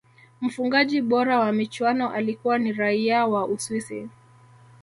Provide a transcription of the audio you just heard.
mfungaji bora wa michuano alikuwa ni raia wa uswisi